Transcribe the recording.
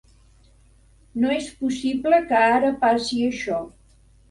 No és possible que ara passi això.